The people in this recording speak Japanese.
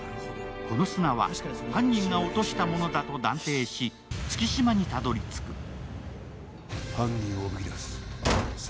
この砂は犯人が落としたものだと断定し、月島にたどり着く。